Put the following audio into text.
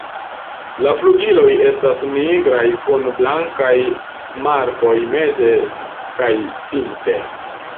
La flugiloj estas nigraj kun blankaj markoj meze kaj pinte.